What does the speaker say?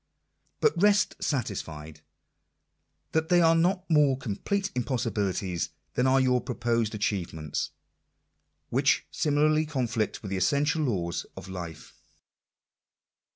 But rest satisfied that they are not more complete impossibilities than are your proposed achievements, whioh similarly conflict with the essential laws of life.